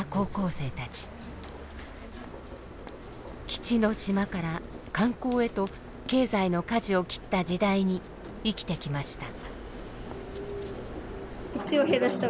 基地の島から観光へと経済のかじを切った時代に生きてきました。